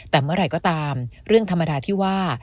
แต่เมื่อไหร่ก็ตามเรื่องธรรมดาที่ว่า